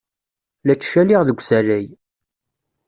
La ttcaliɣ deg usalay.